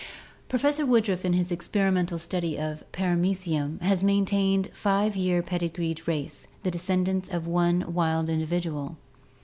Professor Woodruff in his experimental study of Paramecium has maintained a five year pedigreed race, the descendants of one wild individual.